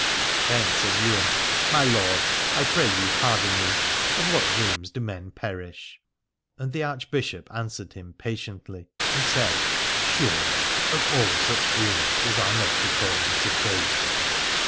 Then said Ywain : My lord, I pray you pardon me : of what dreams do men perish ? And the Archbishop answered him patiently and said : Surely of all such dreams as are not according to faith.